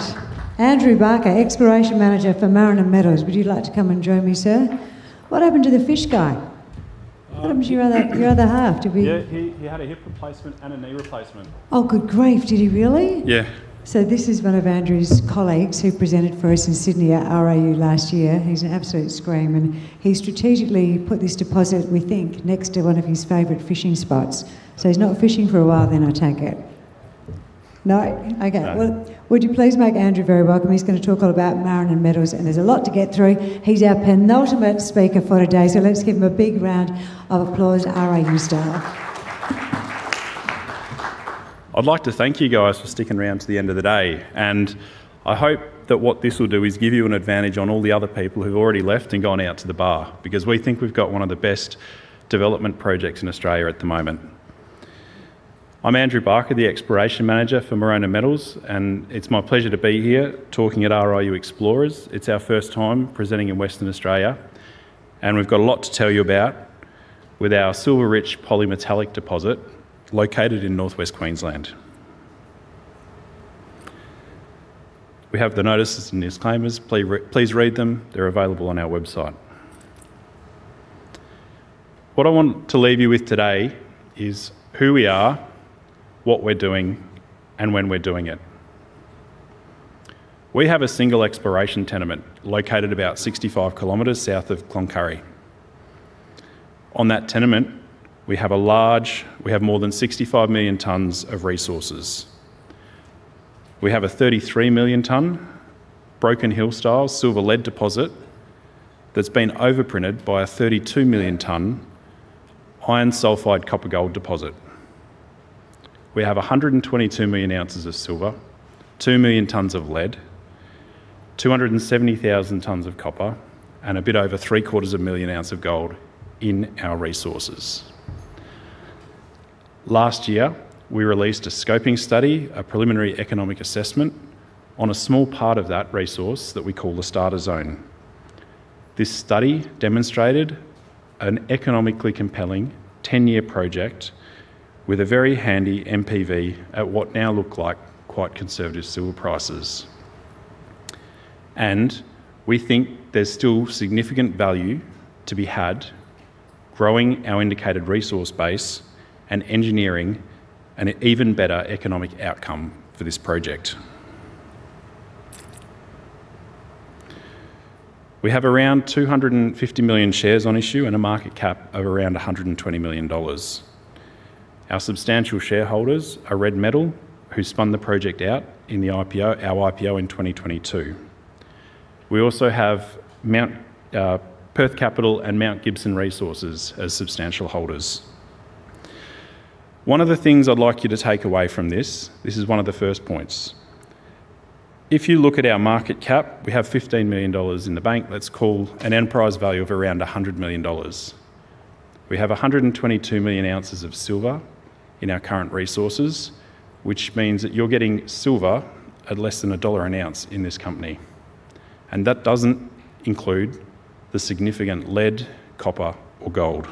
All right, Andrew Barker, Exploration Manager for Maronan Metals. Would you like to come and join me, sir? What happened to the fish guy? What happened to your other, your other half? Did we Yeah, he, he had a hip replacement and a knee replacement. Oh, good grief! Did he really? Yeah. So this is one of Andrew's colleagues who presented for us in Sydney at RIU last year. He's an absolute scream, and he strategically put this deposit, we think, next to one of his favorite fishing spots. So he's not fishing for a while then, I take it. No? Okay. No. Well, would you please make Andrew very welcome. He's going to talk all about Maronan Metals, and there's a lot to get through. He's our penultimate speaker for today, so let's give him a big round of applause, RIU style. I'd like to thank you guys for sticking around to the end of the day, and I hope that what this will do is give you an advantage on all the other people who've already left and gone out to the bar, because we think we've got one of the best development projects in Australia at the moment. I'm Andrew Barker, the Exploration Manager for Maronan Metals, and it's my pleasure to be here talking at RIU Explorers. It's our first time presenting in Western Australia, and we've got a lot to tell you about with our silver-rich polymetallic deposit located in North West Queensland. We have the notices and disclaimers. Please read them. They're available on our website. What I want to leave you with today is who we are, what we're doing, and when we're doing it. We have a single exploration tenement located about 65 kilometers south of Cloncurry. On that tenement, we have more than 65 million tons of resources. We have a 33 million ton Broken Hill-style silver lead deposit that's been overprinted by a 32 million ton iron sulphide copper-gold deposit. We have 122 million ounces of silver, 2 million tons of lead, 270,000 tons of copper, and a bit over 0.75 million ounces of gold in our resources. Last year, we released a scoping study, a preliminary economic assessment, on a small part of that resource that we call the Starter Zone. This study demonstrated an economically compelling 10-year project with a very handy NPV at what now look like quite conservative silver prices. We think there's still significant value to be had growing our indicated resource base and engineering an even better economic outcome for this project. We have around 250 million shares on issue and a market cap of around 120 million dollars. Our substantial shareholders are Red Metal, who spun the project out in the IPO, our IPO in 2022. We also have Perth Capital and MGX Resources Limited as substantial holders. One of the things I'd like you to take away from this, this is one of the first points: If you look at our market cap, we have 15 million dollars in the bank. Let's call an enterprise value of around 100 million dollars. We have 122 million ounces of silver in our current resources, which means that you're getting silver at less than AUD 1 an ounce in this company, and that doesn't include the significant lead, copper, or gold.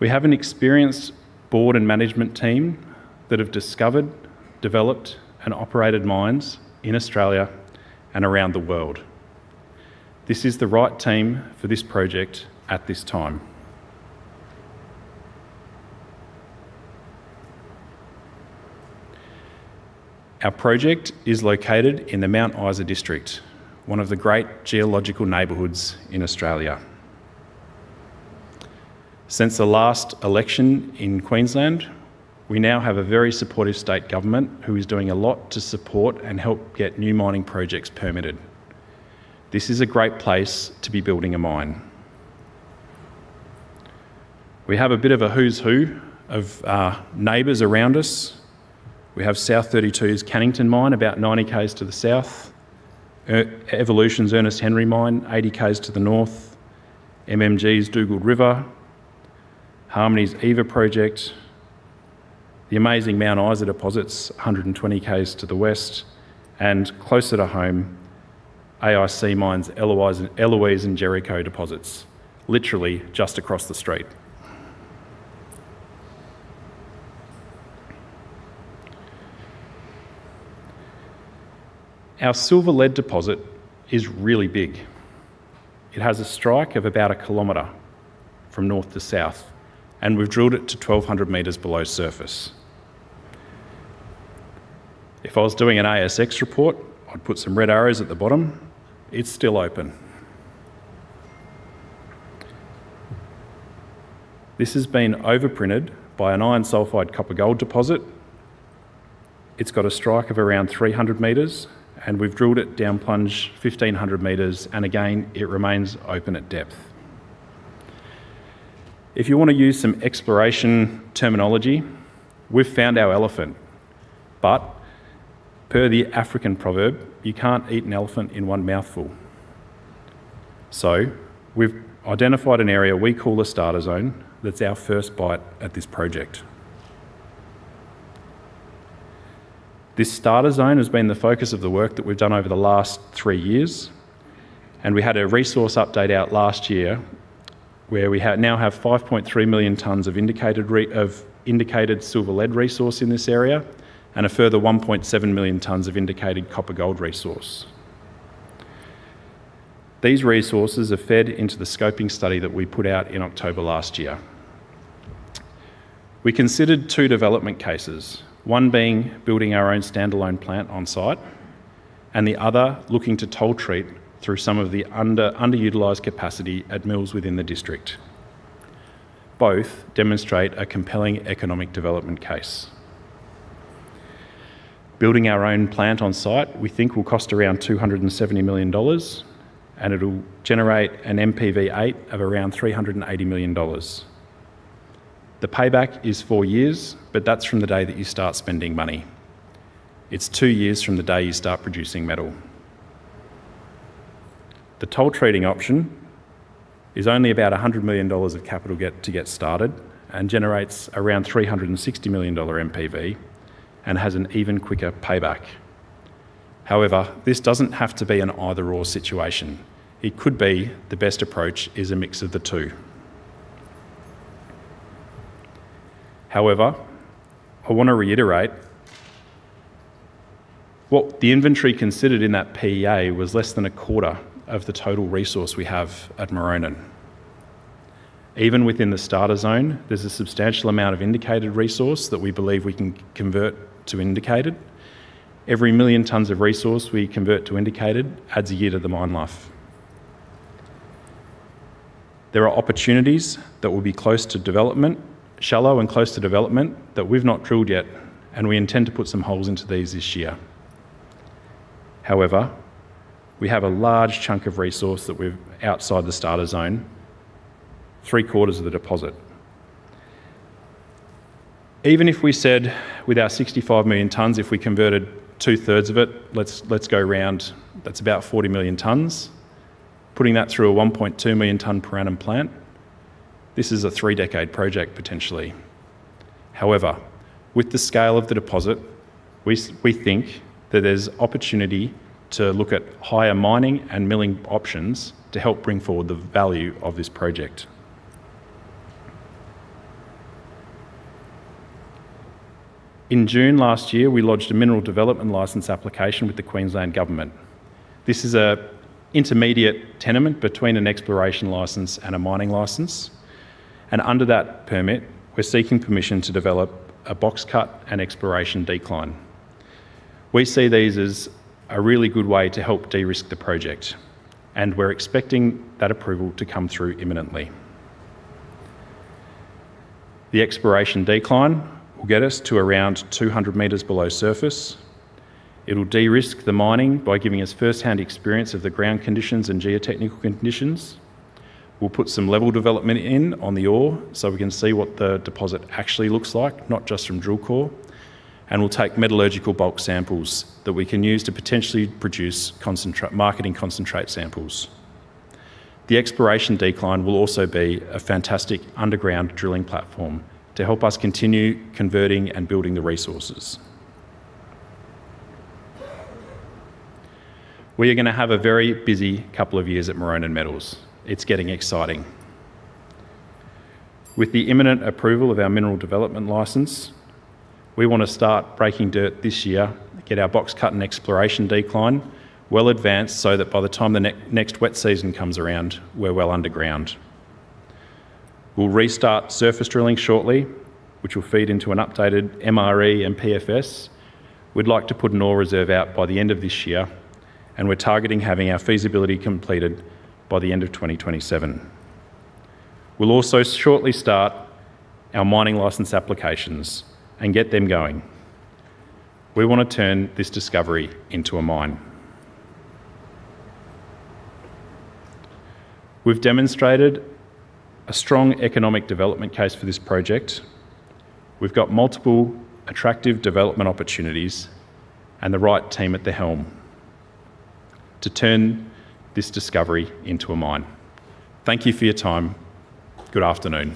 We have an experienced board and management team that have discovered, developed, and operated mines in Australia and around the world. This is the right team for this project at this time. Our project is located in the Mount Isa District, one of the great geological neighborhoods in Australia. Since the last election in Queensland, we now have a very supportive state government who is doing a lot to support and help get new mining projects permitted. This is a great place to be building a mine. We have a bit of a who's who of our neighbors around us. We have South32's Cannington mine, about 90 km to the south; Evolution's Ernest Henry mine, 80 km to the north; MMG's Dugald River; Harmony's Eva project; the amazing Mount Isa deposits, 120 km to the west; and closer to home, AIC Mines' Eloise and Jericho deposits, literally just across the street. Our silver-lead deposit is really big. It has a strike of about 1 km from north to south, and we've drilled it to 1200 m below surface. If I was doing an ASX report, I'd put some red arrows at the bottom. It's still open. This has been overprinted by an iron sulfide copper-gold deposit. It's got a strike of around 300 m, and we've drilled it down plunge 1500 m, and again, it remains open at depth. If you want to use some exploration terminology, we've found our elephant, but per the African proverb, you can't eat an elephant in one mouthful. So we've identified an area we call the Starter Zone, that's our first bite at this project. This Starter Zone has been the focus of the work that we've done over the last three years, and we had a resource update out last year where we now have 5.3 million tons of indicated silver-lead resource in this area, and a further 1.7 million tons of indicated copper-gold resource. These resources are fed into the scoping study that we put out in October last year. We considered two development cases, one being building our own standalone plant on-site, and the other, looking to toll treat through some of the underutilized capacity at mills within the district. Both demonstrate a compelling economic development case. Building our own plant on-site, we think will cost around 270 million dollars, and it'll generate an NPV8 of around 380 million dollars. The payback is 4 years, but that's from the day that you start spending money. It's 2 years from the day you start producing metal. The toll treating option is only about 100 million dollars of capital to get started and generates around 360 million dollars NPV and has an even quicker payback. However, this doesn't have to be an either/or situation. It could be the best approach is a mix of the two. However, I want to reiterate, what the inventory considered in that PEA was less than a quarter of the total resource we have at Maronan. Even within the Starter Zone, there's a substantial amount of indicated resource that we believe we can convert to indicated. Every 1 million tons of resource we convert to indicated adds a year to the mine life. There are opportunities that will be close to development, shallow and close to development, that we've not drilled yet, and we intend to put some holes into these this year. However, we have a large chunk of resource that we've, outside the Starter Zone, three-quarters of the deposit. Even if we said with our 65 million tons, if we converted two-thirds of it, let's, let's go around, that's about 40 million tons. Putting that through a 1.2 million ton per annum plant, this is a three-decade project, potentially. However, with the scale of the deposit, we think that there's opportunity to look at higher mining and milling options to help bring forward the value of this project. In June last year, we lodged a Mineral Development Licence application with the Queensland Government. This is an intermediate tenement between an exploration licence and a mining licence, and under that permit, we're seeking permission to develop a box cut and exploration decline. We see these as a really good way to help de-risk the project, and we're expecting that approval to come through imminently. The exploration decline will get us to around 200 meters below surface. It'll de-risk the mining by giving us firsthand experience of the ground conditions and geotechnical conditions. We'll put some level development in on the ore, so we can see what the deposit actually looks like, not just from drill core, and we'll take metallurgical bulk samples that we can use to potentially produce concentrate marketing concentrate samples. The exploration decline will also be a fantastic underground drilling platform to help us continue converting and building the resources. We are gonna have a very busy couple of years at Maronan Metals. It's getting exciting. With the imminent approval of our Mineral Development License, we wanna start breaking dirt this year, get our box cut and exploration decline well advanced, so that by the time the next wet season comes around, we're well underground. We'll restart surface drilling shortly, which will feed into an updated MRE and PFS. We'd like to put an ore reserve out by the end of this year, and we're targeting having our feasibility completed by the end of 2027. We'll also shortly start our mining license applications and get them going. We wanna turn this discovery into a mine. We've demonstrated a strong economic development case for this project. We've got multiple attractive development opportunities and the right team at the helm to turn this discovery into a mine. Thank you for your time. Good afternoon.